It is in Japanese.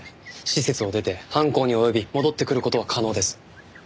施設を出て犯行に及び戻ってくる事は可能です。